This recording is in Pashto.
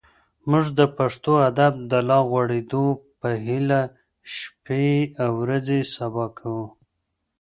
موږ د پښتو ادب د لا غوړېدو په هیله شپې او ورځې سبا کوو.